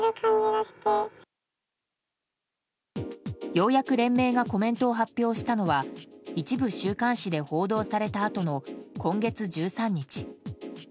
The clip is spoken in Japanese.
ようやく連盟がコメントを発表したのは一部週刊誌で報道されたあとの今月１３日。